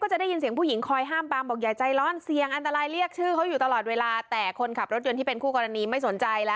จะได้ยินเสียงผู้หญิงคอยห้ามปามบอกอย่าใจร้อนเสี่ยงอันตรายเรียกชื่อเขาอยู่ตลอดเวลาแต่คนขับรถยนต์ที่เป็นคู่กรณีไม่สนใจแล้ว